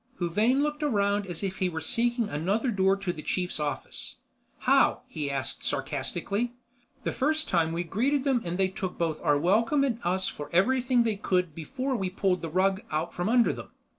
Huvane looked around as if he were seeking another door to the chief's office. "How?" he asked sarcastically. "The first time we greeted them and they took both our welcome and us for everything they could before we pulled the rug out from under them.